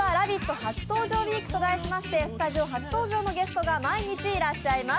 初登場ウィークと題しましてスタジオ初登場のゲストが毎日いらっしゃいます。